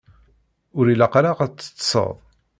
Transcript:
Ur ilaq ara ad teṭṭseḍ.